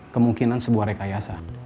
kemungkinan sebuah rekayasa